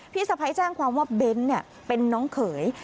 สะพ้ายแจ้งความว่าเบ้นเป็นน้องเขย